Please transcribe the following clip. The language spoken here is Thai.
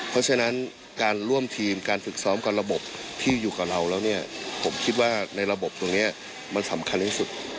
เพราะฉะนั้นการร่วมทีมการฝึกซ้อมกับระบบที่อยู่กับเราแล้วเนี่ยผมคิดว่าในระบบตรงนี้มันสำคัญที่สุด